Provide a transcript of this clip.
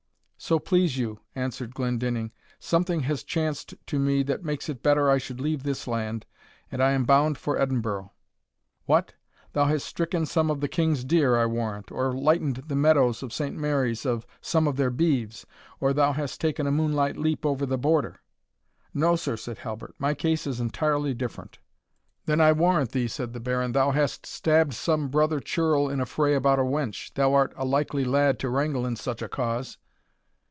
"So please you," answered Glendinning, "something has chanced to me that makes it better I should leave this land, and I am bound for Edinburgh." "What! thou hast stricken some of the king's deer, I warrant, or lightened the meadows of Saint Mary's of some of their beeves or thou hast taken a moonlight leap over the border?" "No, sir," said Halbert, "my case is entirely different." "Then I warrant thee," said the Baron, "thou hast stabbed some brother churl in a fray about a wench thou art a likely lad to wrangle in such a cause."